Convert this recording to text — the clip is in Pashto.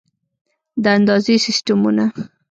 د اندازې سیسټمونه